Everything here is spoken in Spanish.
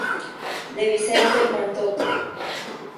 De Vicente Montoto.